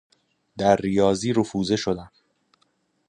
در ریاضی رفوزه شدم.